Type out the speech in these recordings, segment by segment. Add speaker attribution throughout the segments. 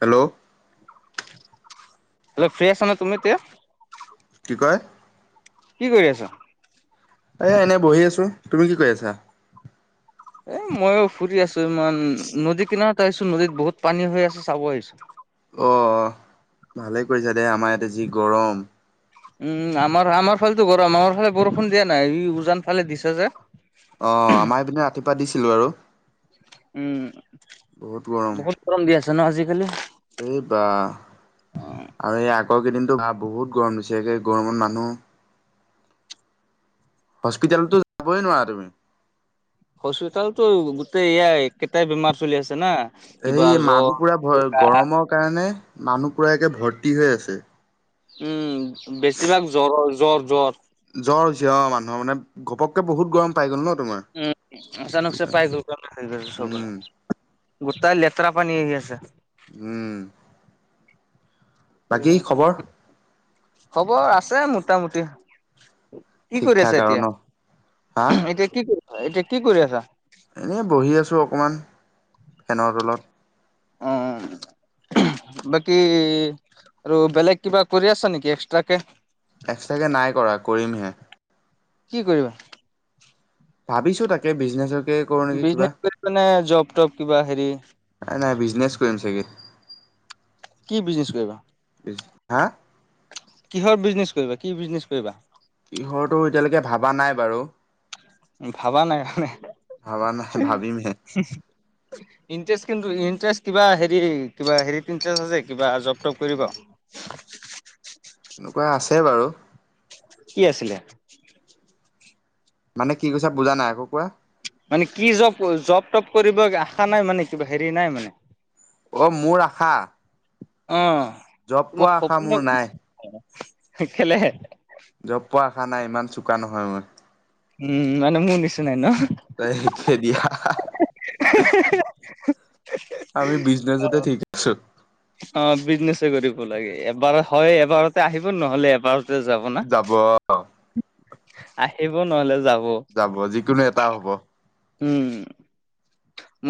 Speaker 1: Hello?
Speaker 2: Hello free আছা নে তুমি এতিয়া?
Speaker 1: কি কয়?
Speaker 2: কি কৰি আছা?
Speaker 1: এ এনে বহি আছো। তুমি কি কৰি আছা?
Speaker 2: এ মইয়ো ফুৰি আছো ইমান নদী কিনাৰত আহিছো নদীত বহুত পানী হৈ আছে চাব আহিছো।
Speaker 1: অ' ভালে কৰিছা দে আমাৰ ইয়াতে যি গৰম।
Speaker 2: উম, আমাৰ আমাৰ ফালেতো গৰম আমাৰ ফালে বৰষুণ দিয়া নাই ই উজান ফালে দিছে যে।
Speaker 1: অ' আমাৰ এইপিনে ৰাতিুৱা দিছিল বাৰু,
Speaker 2: উম
Speaker 1: বহুত গৰম।
Speaker 2: গৰম দি আছে ন' আজিকালি?
Speaker 1: এই বা আৰু এই আগৰ কেইদিনতো বা বহুত গৰম দিছে একে গৰমত মানুহ হস্পিতালতো যাবই নোৱাৰা তুমি।
Speaker 2: হস্পিতালতো গোটেই এইয়াই একেইটাই বেমাৰ চলি আছে না। কিবা
Speaker 1: এই
Speaker 2: জ্বৰ
Speaker 1: মানুহ পুৰা ভ গৰমৰ কাৰণে মানুহ পুৰাে একে ভৰ্তি হৈ আছে।
Speaker 2: উম, বেছিভাগ জ্বৰৰ জ্বৰ জ্বৰ।
Speaker 1: জ্বৰ হৈছে অ', মানুহৰ মানে ঘপকে বহুত গৰম পাই গ'ল ন'। তোমাৰ
Speaker 2: উম, অচানক
Speaker 1: উম
Speaker 2: [unintelligible] গোটাই লেতেৰা পানী আহি আছে।
Speaker 1: উম। বাকী খবৰ
Speaker 2: [unintelligible] খবৰ আছে মোটামুটি। কি
Speaker 1: ঠিক
Speaker 2: কৰি
Speaker 1: ঠাক
Speaker 2: আছা
Speaker 1: আৰু
Speaker 2: এতিয়া
Speaker 1: ন হা
Speaker 2: এতিয়া কি কৰি এতিয়া কি কৰি আছা?
Speaker 1: এনেই বহি আছোঁ অকণমান ফেনৰ তলত।
Speaker 2: অ'। বাকী আৰু বেলেগ কিবা কৰি আছা নেকি এক্সট্ৰাকে?
Speaker 1: এক্সট্ৰাকৈ নাই কৰা কৰিমহে।
Speaker 2: কি কৰিবা?
Speaker 1: ভাবিছোঁ তাকে বিজনেছত
Speaker 2: বিজনেছ কৰিবা নে জব টপ কিবা হেৰি
Speaker 1: নাই নাই বিজনেছ কৰিম চাগে।
Speaker 2: কি বিজনেছ কৰিবা?
Speaker 1: হা?
Speaker 2: কিহৰ বিজনেচ কৰিবা কি বিজনেচ কৰিবা?
Speaker 1: কিহৰটো এতিয়ালৈকে ভবা নাই বাৰু।
Speaker 2: ভাবা নাই মানে।
Speaker 1: ভাবা নাই ভাবিমহে
Speaker 2: ইণ্টাৰেষ্ট কিন্তু ইণ্টাৰেষ্ট কিবা হেৰি কিবা হেৰিত ইণ্টাৰেষ্ট আছে কিবা জব-তব কৰিব? [inaudible]
Speaker 1: তেনেকুৱা আছে বাৰু।
Speaker 2: কি আছিলে?
Speaker 1: মানে কি কৈছা বুজা নাই আকৌ কোৱা?
Speaker 2: মানে কি জব জব-টপ কৰিব আশা নাই মানে কিবা হেৰি নাই মানে?
Speaker 1: অ', মোৰ আশা?
Speaker 2: অ',
Speaker 1: জব পোৱা
Speaker 2: তোমাৰ
Speaker 1: আশা
Speaker 2: সপোন
Speaker 1: মোৰ নাই
Speaker 2: [unintelligible]
Speaker 1: জব পোৱা আশা নাই ইমান চোকা নহয় মই।
Speaker 2: উম, মানে মোৰ নিচিনাই ন'?
Speaker 1: একেই দিয়া। আমি বিজনেছতে ঠিক আছোঁ।
Speaker 2: অ', বিজনেচ কৰিব লাগে এবাৰ হয়, এবাৰতে আহিব ন'হলে এবাৰতে যাব না?
Speaker 1: যাব।
Speaker 2: আহিব ন'হলে যাব।
Speaker 1: যাব যিকোনো এটা হ'ব।
Speaker 2: উম।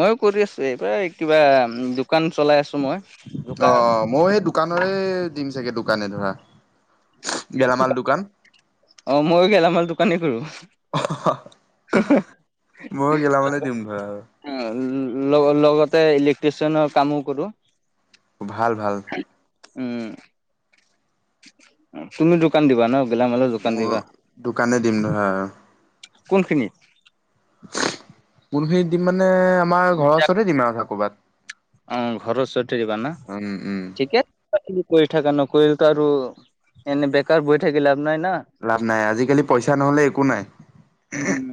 Speaker 2: ময়ো কৰি আছো এইবাৰ কিবা দোকান চলাই আছো মই। দোকান
Speaker 1: অ', মইও সেই দোকানৰে দিম চাগে দোকানে ধৰা। গেলামাল দোকান।
Speaker 2: অ', মইও গেলা মাল দোকানে কৰোঁ।
Speaker 1: ময়ো গেলামালে দিম ধৰা আৰু।
Speaker 2: লগ লগতে ইলেক্ট্ৰিচিয়ানৰ কামো কৰোঁ।
Speaker 1: ভাল ভাল।
Speaker 2: উম। তুমি দোকান দিবা ন? গেলামালৰ দোকান
Speaker 1: মোৰ
Speaker 2: দিবা
Speaker 1: দোকানে দিম ধৰা আও।
Speaker 2: কোনখিনিত?
Speaker 1: কোনখিনিত দিম মানে আমাৰ ঘৰৰ ওচৰতে দিম আৰু ধৰা ক'বাত।
Speaker 2: উম। ঘৰৰ ওচতে দিবা না। ঠিক এ কৰি থাকা ন। নকৰিলেতো আৰু এনে বেকাৰ বহি থাকি লাভ নাই না।
Speaker 1: লাভ নাই। আজিকালি পইচা নহলে একো নাই।
Speaker 2: উম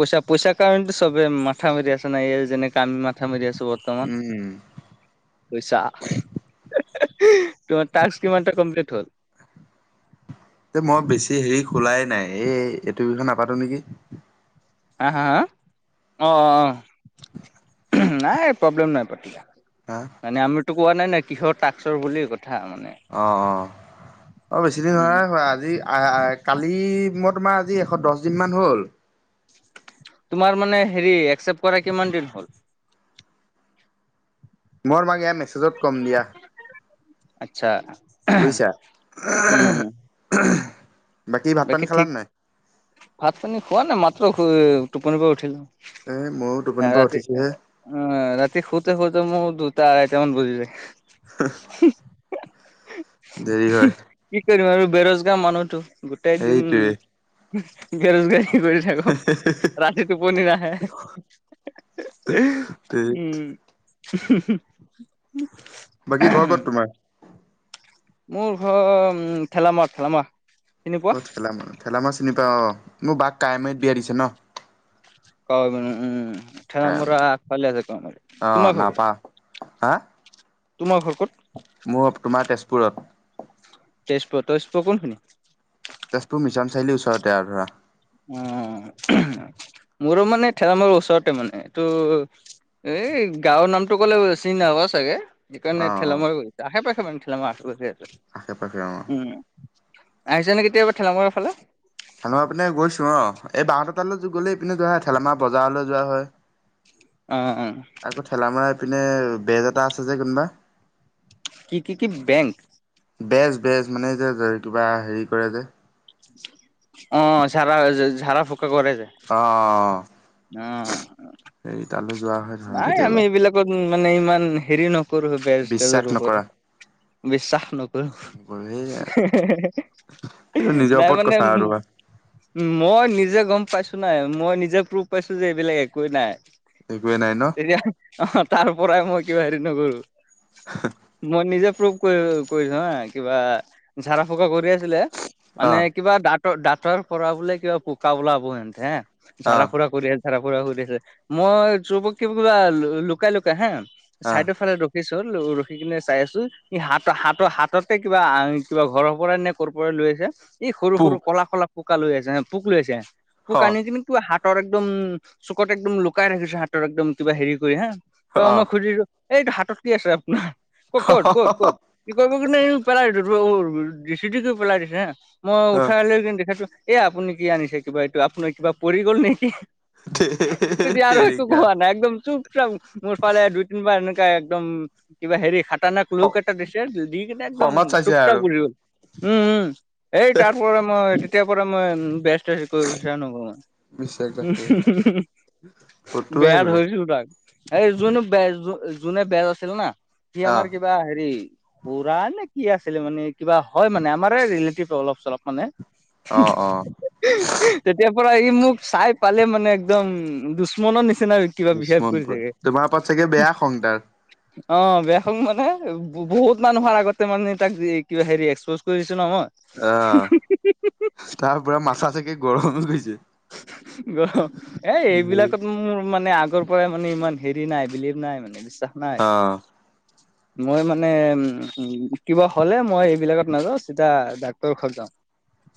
Speaker 2: পইচা। পইচাৰ কাৰণেতো চবে মাথা মাৰি আছে না। এ যেনেকে আমি মাথা মাৰি আছো বৰ্ত বৰ্তমান।
Speaker 1: উম
Speaker 2: পইছা। তোমাৰ টাস্ক কিমানটা কমপ্লিট হ'ল?
Speaker 1: এ মই বেছি হেৰি খোলাই নাই। এই এইটো বিষয় নাপাতো নেকি।
Speaker 2: হা। হা। হা। অ। অ।
Speaker 1: [inaudible]
Speaker 2: নাই। প্ৰব্লেম নাই পাতিলে।
Speaker 1: হা
Speaker 2: মানে আমি টো কোৱা নাই না। কিহৰ টাস্কৰ বুলি কথা মানে
Speaker 1: অ। অ। অ' বেছি দিন হোৱা
Speaker 2: উম
Speaker 1: নাই [unintelligible] আজি এ এ কালি মই তোমাৰ আজি এশ দছদিনমান হ'ল।
Speaker 2: তোমাৰ মানে হেৰি একচেপ্ট কৰা কিমান দিন হ'ল? [inaudible]
Speaker 1: মোৰ মা এয়া মেছেজত ক'ম দিয়া।
Speaker 2: আচ্ছা।
Speaker 1: বুজিছা?
Speaker 2: উম উম
Speaker 1: ভাত পানী
Speaker 2: বাকী ঠিক,
Speaker 1: খালানে নাই
Speaker 2: ভাত পানী খোৱা নাই। মাত্ৰ টোপনিৰ পৰা উঠিলো।
Speaker 1: এ ময়ো টোপনিৰ
Speaker 2: এ
Speaker 1: পৰা
Speaker 2: ৰাতি
Speaker 1: উঠিছোহে
Speaker 2: উ ৰাতি শুতে- শুতে মোৰ দুটা -আঢ়াইটামান বাজি যায়। [unintelligible]
Speaker 1: দেৰি হয়।
Speaker 2: কি কৰিম আৰু। বেৰোজগাৰ মানুহতো। গোটেই দিন
Speaker 1: সেইটোৱে
Speaker 2: উ- বেৰোজগাৰ কৰি থাকো। ৰাতি টোপনি নাহে।
Speaker 1: ধেৎ।
Speaker 2: উম, [unintelligible]
Speaker 1: বাকী ঘৰ ক'ত তোমাৰ?
Speaker 2: মোৰ ঘৰ ঠেলামা। ঠেলামা।
Speaker 1: অ ঠেলামা। ঠেলামা চিনি পাৱ? অ মোৰ বাক কাৱৈমাৰীত বিয়া দিছে ন।
Speaker 2: কাৱৈম [unintelligible] উম। ঠেলামৰা
Speaker 1: কাৱৈমাৰী
Speaker 2: আগফালে আছে কাৱৈমাৰিত।
Speaker 1: অ
Speaker 2: তোমাৰ ভাগৰ
Speaker 1: নাপা হা।
Speaker 2: তোমাৰ ঘৰ ক'ত?
Speaker 1: মোৰ তোমাৰ তেজপুৰত।
Speaker 2: তেজপুৰত। তেজপুৰ কোনখিনিত?
Speaker 1: তেজপুৰ মিছন চাৰিআলিৰ ওচৰতে, আৰু ধৰা।
Speaker 2: অ'হ। মোৰো মানে ঠেলামাৰা ওচৰতে মানে। এইটো এই গাঁৱৰ নামটো ক'লে চিনি নাপাবা চাগেৱ
Speaker 1: অ
Speaker 2: সেইকাৰণে
Speaker 1: অ
Speaker 2: ঠেলামাৰা ক। আশে-পাশে মানে ঠেলামাৰা আশে-পাশে
Speaker 1: আশে পাশে অ
Speaker 2: আছে। উম। আহিছা নে কেতিয়াবা ঠেলামৰাৰ ফালে?
Speaker 1: ঠেলেমাৰা পিনে গৈছো। অহ। এই বা হতৰ তালৈ গ'লে এইপিনে যোৱা হয়। ঠেলেমাৰা বজাৰলৈ যোৱা হয়।
Speaker 2: অহ। অ।
Speaker 1: আকৌ ঠেলামৰা পিনে বেজ এটা আছে যে কোনোবা
Speaker 2: কি? কি? কি? বেংক?
Speaker 1: বেজ। বেজ। মানে যে কিবা হেৰি কৰে যে।
Speaker 2: অ' জাৰা -জাৰা -ফুকা কৰে যে।
Speaker 1: অ, অ, অ,
Speaker 2: উম,
Speaker 1: সেই তালৈ যোৱা হয় ধৰা
Speaker 2: নাই আমি
Speaker 1: কেতিয়াবা
Speaker 2: এইবিলাকত মানে ইমান হেৰি নকৰো বেজ
Speaker 1: বিশ্বাস
Speaker 2: তেজৰ
Speaker 1: নকৰা
Speaker 2: ওপৰত। বিশ্বাস নক নকৰো
Speaker 1: সেই এইটো নিজৰ
Speaker 2: [unintelligible] নাই
Speaker 1: ওপৰত
Speaker 2: মানে,
Speaker 1: কথা আৰু
Speaker 2: উম, উম, মই নিজে গম পাইছো নাই, মই নিজে প্ৰুভ পাইছো যে এইবিলাক একোৱেই নাই।
Speaker 1: একোৱেই নাই ন।
Speaker 2: তেতিয়া অ, তাৰ পৰাই মই কিবা হেৰি নকৰো, মই নিজে প্ৰুভ কৰিছ হা, কিবা ঝাৰা ফুকা কৰি আছিলে মানে কিবা দাঁত দাঁতৰ পৰা বোলে কিবা পোকা অলাব হে, ঝাৰা ফুৰা কৰি জাৰা ফুৰা কৰিছে মই ত কিবা লুকাই, লুকাই হা চাইডৰ ফালে পিছল হ'ল ৰখি কিনে চাই আছো, হাত, হাতৰ হাততে কিবা কিবা ঘৰৰ পৰা এ পৰা লৈ আছে এই সৰু সৰু ক'লা ক'লা পোকা লৈ আছে পোক লৈছে পোক আনি কিবা তোৰ হাত হাতৰ একদম চুকত একদম লুকাই ৰাখিছো, হাতৰ একদম কিবা হেৰি কৰি হা, কা, মই খুজিলো এইটো হাতত কি আছে আপোনাৰ, ক' ক'ত, ক'ত, ক'ত, কি কৰিব কিন্তু পেলাই দিছো চিতিকি পেলাই দিছে হা মই উঠাই লৈ কিন্তু দেখাইছো। এ, আপুনি কি আনিছে কিবা এইটো আপুনাৰ কিবা পৰি গ'ল নেকি। তেতিয়া আৰু একো
Speaker 1: ধেইট-তেৰিকা।
Speaker 2: কোৱা একদম চুপ-চাপ মোৰ ফালে দুই তিনিবাৰ এনেকে একদম কিবা হেৰি খাতৰানাক
Speaker 1: খ-
Speaker 2: কলকেইটা দিছে যদি কেনে একদম
Speaker 1: খঙত চাইছে আৰু
Speaker 2: চুপ-চাপ গোচি গৈছে, উম, উম, এই তাৰ পৰা মই তেতিয়াৰ পৰা মই বেচ তেনেকৈ বিশ্বাস নকৰো। উম, হয়,
Speaker 1: মিছা তাকে
Speaker 2: হয়, হম
Speaker 1: ফটুৱাই
Speaker 2: বেয়া
Speaker 1: বোলে
Speaker 2: ধৰিছো তাক। এই যোন- বেজ যোনে বেজ আছিল না, সি
Speaker 1: আহ
Speaker 2: আমাৰ কিবা হেৰি খুৰা নে কি আছিলে মানে কিবা হয় মানে আমাৰে ৰিলেটিভ অলপ-চলপ মানে।
Speaker 1: অ, অ,
Speaker 2: তেতিয়াৰ পৰা ই মোক চাই পালে, মানে এক্দম দুশ্মনৰ নিচিনা কিবা বিহেব
Speaker 1: দুশ্মন
Speaker 2: কৰি
Speaker 1: পুৰা
Speaker 2: থাকে।
Speaker 1: তোমাৰ ওপৰত চাগে বেয়া খং তাৰ
Speaker 2: [inaudible] অ, বেয়া হ'ব মানে, বহুত মানুহৰ আগতে মানে তাক কিবা হেৰি এক্সপজ কৰি দিছো ন মই
Speaker 1: আহ, তাৰ পৰা মাথা চাগে গৰম গৈছে।
Speaker 2: গৰম এ, এইবিলাকত মোৰ মানে আগৰ পৰাই মানে ইমান হেৰি নাই, বিলিভ নাই মানে বিশ্বাস নাই।
Speaker 1: অ
Speaker 2: মই মানে উম, মোটিব হ'লে মই এইবিলাকত নাযাওঁ চিধা‌ ডাক্তৰৰ ঘৰত যাওঁ।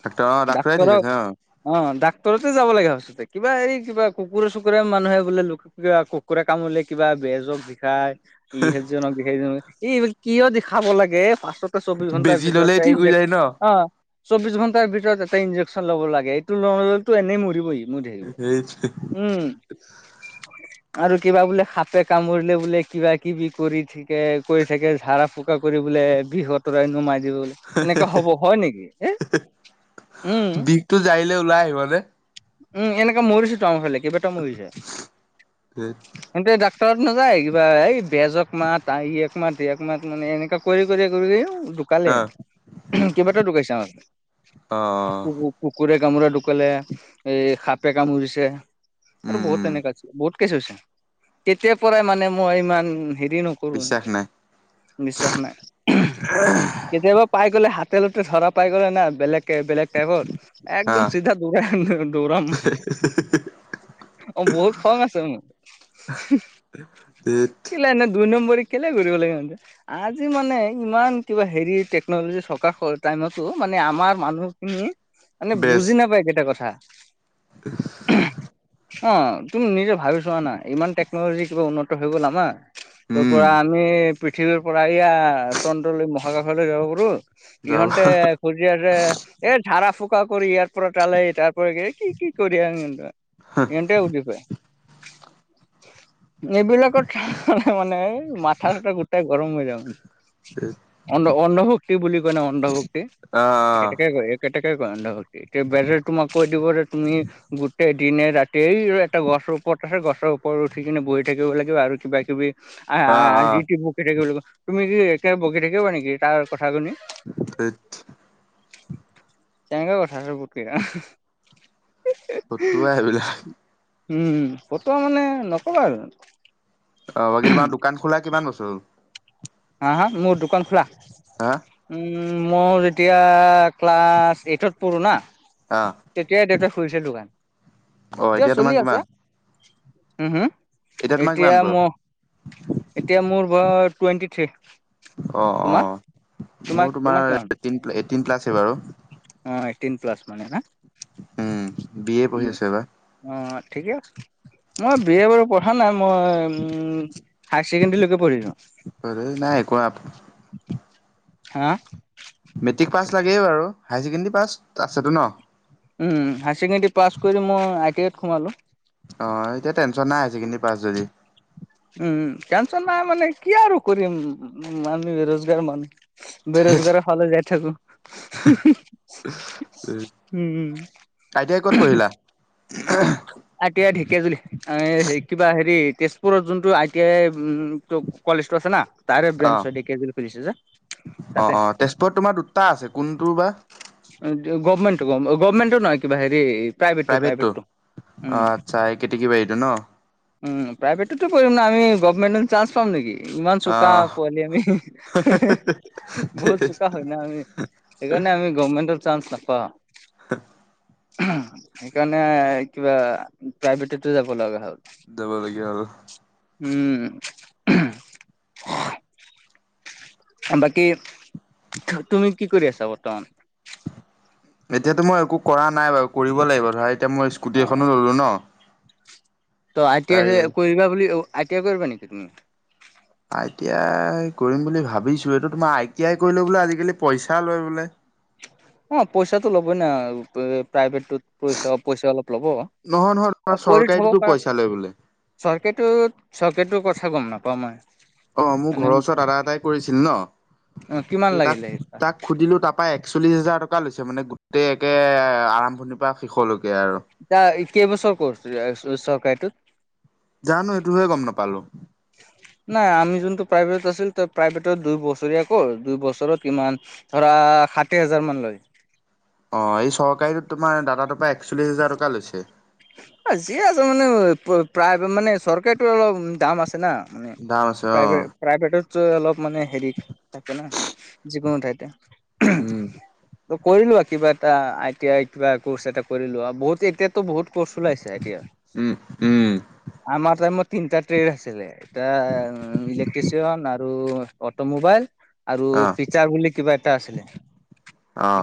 Speaker 1: ডাক্তৰ অ ডাক্তৰে ঠিক
Speaker 2: ডাক্তৰক
Speaker 1: আছে অ
Speaker 2: অ, ডাক্ত তৰতে যাব লাগে সঁচা, কিবা এই কিবা কুকুৰে-চুকুৰে মানুহে বোলে। লোক কিবা, কুকুৰে কামোলে কিবা বেজক দেখাই। ইহেজনক-সেইজনক এই কিয় দেখাব লাগে পাছত চৌবিশ ঘণ্টাৰ
Speaker 1: বেজি ললে
Speaker 2: ভিতৰত
Speaker 1: ঠিক হৈ যায় ন
Speaker 2: ইনযেক-অ, চৌবিশ ঘণ্টাৰ ভিতৰত এটা ইন্জেকশ্যন ল'ব লাগে, এইটো নললে এনেই মৰিব ই [unintelligible]
Speaker 1: সেইটোৱে।
Speaker 2: উম, আৰু কিবা বোলে সাপে কামুৰিলে বোলে, কিবা-কিবি- কৰি থ গতিকে কৈ থাকে ঝড়া ফুকা কৰিব বোলে, বিশ অতৰাই নোমাই দিওঁ। এনেকুৱা হ'ব হয় নেকি হে উম,
Speaker 1: তোৰ যাৰিলে ওলাই আহিব দে
Speaker 2: উম, এনেকে মৰিছেটো আমাৰ ফালে কেইবাটাও মৰিলে।
Speaker 1: [inaudible]
Speaker 2: এন্তে ডাক্তৰত নাযায় কিবা, এই বেজক মাত ইক মাত একক মাত মানে এনেকুৱা কৰি, কৰি, কৰি, কৰি, ঢোকালে
Speaker 1: অ
Speaker 2: কেইবাটাও ঢোকাইছে
Speaker 1: অ
Speaker 2: আমা কুকুৰে কামোৰে ঢুকালে, এ সাপে কামুৰিছে
Speaker 1: উম
Speaker 2: আৰু বহুত
Speaker 1: উম
Speaker 2: এনেকা আ, বহুত কি চছেোন [unintelligible] কেতিয়াৰ পৰাই মানে মই ইমান হেৰি নক কৰো
Speaker 1: বিশ্বাস নাই
Speaker 2: বিশ্বাস নাই। কেতিয়াবা পাই গ'লে হাতে লতে ধৰা পাই গ'লে না বেলেগ বেলেগ টাইপত
Speaker 1: আহ
Speaker 2: একদম চিধা দৌৰা দৌৰাম
Speaker 1: [unintelligible]
Speaker 2: অ' বহুত খং আছে মোৰ।
Speaker 1: দে [unintelligible]
Speaker 2: এনে দুই নম্বৰী কেলে কৰিব লাগে ইহ'তে। আজি মানে ইমান কিবা হেৰি টেকনলজি থকা টাইমতো মানে আমাৰ মানুহ খিনি মানে বুজি নাপায় কেইটা কথা।
Speaker 1: উ [unintelligible]
Speaker 2: অ' তুমি নিজে ভাবি চোৱা না, ইমান টেকনলজি কিবা উন্নত হৈ গ'ল। আমাৰ ক'ৰ
Speaker 1: উম
Speaker 2: পৰা আমি পৃথিৱীৰ পৰা এয়া চন্দ্ৰলৈ মহাকাশৈ যাব পাৰো।
Speaker 1: যাবা
Speaker 2: ইহতে ফচি আছে, এই জাৰা ফুকা কৰি ইয়াৰ পৰা তালে তাৰ পৰা কি কি কৰি আহ সিহ'তে। সিহ'তে বুজি পায়। এইবিলাক চালে মানে ম মাথা চাথা গোটেই গৰম হৈ যাম। অন্ অন্ধভক্তি বুলি কয় ন অন্ধভক্তি
Speaker 1: আহ
Speaker 2: একেটকে কয় একেটকে কয় অন্ধভক্তি এতিয়া বেজে তোমাক কৈ দিব যে তুমি গোটেই দিনে ৰাতিয় এটা গছৰ ওপৰত তাৰ পিছত গছৰ ওপৰত উঠি কিনে বহি থাকিব লাগিব আৰু কিবা কিবি
Speaker 1: আহ আহ
Speaker 2: আজি বকি থাকিব লাগিব। তুমি কি একে বকি থাকিবা নেকি তাৰ কথা শুনি।
Speaker 1: ত [unintelligible]
Speaker 2: চেংঙা কথা কুটক [unintelligible]
Speaker 1: সেইবিলাক
Speaker 2: উম, ফটুৱা মানে নকবা আৰু।
Speaker 1: অ' বাকী তোমাৰ দোকান খোলা কিমান বছৰ হ'ল?
Speaker 2: হা -হা -মোৰ দোকান খোলা।
Speaker 1: হা
Speaker 2: উ মই যেতিয়া ক্লাছ এইটত পঢ়োঁ না
Speaker 1: আহ
Speaker 2: তেতিয়াই দেউতাই খুলিছে দোকান,
Speaker 1: অ
Speaker 2: এতিয়াও
Speaker 1: এতিয়া
Speaker 2: চলি
Speaker 1: তোমাৰ
Speaker 2: আছে।
Speaker 1: কিমান
Speaker 2: উ হু
Speaker 1: তোমাৰ কিমান
Speaker 2: এতিয়া
Speaker 1: বয়স
Speaker 2: মই এতিয়া মোৰ টুৱেণ্টি থ্ৰী।
Speaker 1: অ
Speaker 2: তোমাৰ, তোমাৰ, তোমাৰ, কিমান?
Speaker 1: এইট এইটিন প্লাছে বাৰু।
Speaker 2: অ' এইটিন প্লাছ মানে না।
Speaker 1: উম বি এ পঢ়ি আছো এইবাৰ।
Speaker 2: অ' ঠিকে আছে মই বি এ বাৰু পঢ়া নাই, মই হাই ছেকেণ্ডেৰী লৈকে পঢ়িলো।
Speaker 1: এই নাই একোৱা
Speaker 2: হা
Speaker 1: মেট্ৰিক পাছ লাগেই বাৰু, হায়াৰ ছেকেণ্ডেৰী পাছ আছেতো ন?
Speaker 2: হায়াৰ ছেকেণ্ডেৰী পাছ কৰি মই আই টি আইত সোমালোঁ।
Speaker 1: অ' এতিয়া টেনচন নাই হাই ছেকেণ্ডেৰী পাছ যদি।
Speaker 2: উম, টেনচন নাই মানে কি আৰু কৰিম মানি বেৰোজগাৰ মানুহ। বেৰোজগাৰ ফালে যাই থাকো। হুম
Speaker 1: আই টা আই ক'ত পঢ়িলা?
Speaker 2: আই টি আই ঢেকেজুলি কিবা হেৰি তেজপুৰত যোনটো আই টি আই। উম কলেজ টো আছে না তাৰে
Speaker 1: অ
Speaker 2: ব্ৰেঞ্চ হয় ঢেকিয়াজুলী খুলিছে যে
Speaker 1: অ
Speaker 2: তাতে।
Speaker 1: অ তেজপুৰত তোমাৰ দুটা আছে কোনটো বা
Speaker 2: গভমেণ্ট গভমেণ্টটো নহয় কিবা হেৰি প্ৰাইভেটটো প্ৰাইভেটটো। উম
Speaker 1: অ' আচ্ছা এই কেতেকী বাঢ়ীতো ন?
Speaker 2: উম প্ৰাইভেটতো কৰিম ন আমি গভৰ্মণ্টে চান্স পাম নেকি? ইমান
Speaker 1: অ
Speaker 2: চোকা পোৱালি আমি বহুত চোকা হয় ন আমি সেইকাৰণে আমি গৰৰ্মেন্ত চাঞ্চ নাপাওঁ। সেইকাৰণে কিবা প্ৰাইভেটতো যাব লগা হ'ল
Speaker 1: যাবলগীয়া হ'ল
Speaker 2: উম বাকী তুমি কি কৰি আছা বৰ্তমান?
Speaker 1: এতিয়াতো মই একো কৰা নাই বাৰু কৰিব লাগিব ধৰা এতিয়া মই স্কুটি
Speaker 2: অ',
Speaker 1: এখনো ল'লো ন
Speaker 2: ত' আইটি
Speaker 1: তাৰে
Speaker 2: আই কৰিবা বুলি আইটিযাই কৰিবা নেকি?
Speaker 1: আই টি আই কৰিম বুলি ভাবিছোঁ এইটো তোমাৰ আই টি আই কৰিলে বোলে আজিকালি পইচা লয় বোলে
Speaker 2: অ পইচাটো ল'বই ন প্ৰাইভেটত পইচা পইচা অলপ ল'ব
Speaker 1: নহয় নহয় তোমাৰ চৰকাৰীটো পইচা লয় বোলে।
Speaker 2: চাকৰিটো চৰকাৰি টো কথা গম নাপাওঁ মই
Speaker 1: অ মোৰ
Speaker 2: মানে
Speaker 1: ঘৰৰ ওচৰত দাদা এটাই কৰিছিল ন
Speaker 2: অ', কিমান
Speaker 1: কি তাক
Speaker 2: লাগিলে
Speaker 1: তাক সুধিলোঁ তাৰ পৰাৰা একচল্লিছ হাজাৰ টকা লৈছে মানে গোটেই একে আৰম্ভণিৰ পৰা শেষলৈকে আৰু
Speaker 2: এতিয়া কেইবছৰ ক্ৰছ চৰকাৰীটোত
Speaker 1: জানো সেইটোহয়ে গম নাপালো
Speaker 2: [inaudible] নাই আমি যোনটো প্ৰাইভেট আছিল ত প্ৰাইভেটত দুই বছৰীয়া ক্ৰছ দুই বছৰত কিমান ধৰা ষাঠি হাজাৰ মান লয়
Speaker 1: অ', এই চৰকাৰীটো তোমাৰ দাদাটোৰ পৰা একচল্লিশ হাজাৰ টকা লৈছে।
Speaker 2: আজি আছে মানে প্ৰায় মানে চৰকাৰীটো অলপ দাম আছে না। এ
Speaker 1: দাম আছে অ
Speaker 2: প্ৰাইভেত প্ৰাইভেটতো অলপ মানে হেৰি থাকে ন' যিকোনো ঠাইতে।
Speaker 1: উম।
Speaker 2: ত কৰিলো আৰু কিবা এটা আই টি আই কিবা ক্ৰছ এটা কৰি লোৱা আৰু বহুত এতিয়াতো বহুত ক্ৰছ ওলাইছে এতিয়া
Speaker 1: উম উম
Speaker 2: আমাৰ টাইমত তিনিটা ট্ৰেড আছিলে এটা ইলেক্ট্ৰিচিয়ন আৰু মোবাইল আৰু
Speaker 1: অ
Speaker 2: ফিচাৰ বুলি কিবা এটা আছিলে
Speaker 1: অ